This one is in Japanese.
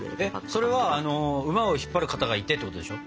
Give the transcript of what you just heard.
それは馬を引っ張る方がいてってことでしょ？